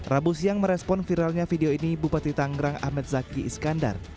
rabu siang merespon viralnya video ini bupati tanggerang ahmed zaki iskandar